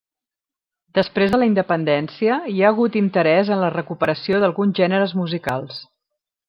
Després de la independència, hi ha hagut interès en la recuperació d'alguns gèneres musicals.